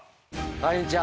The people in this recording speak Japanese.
はい。